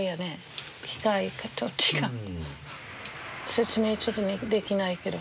説明ちょっとできないけど。